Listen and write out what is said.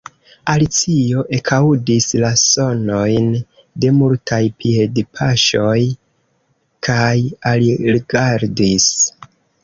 Alicio ekaŭdis la sonojn de multaj piedpaŝoj, kaj alrigardis.